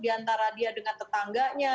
di antara dia dengan tetangganya